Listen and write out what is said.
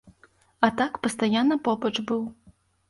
А так пастаянна побач быў.